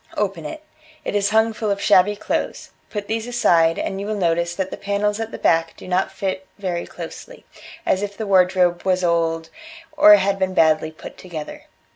Open it. It is hung full of shabby clothes; put these aside, and you will notice that the panels at the back do not fit very closely, as if the wardrobe was old or had been badly put together.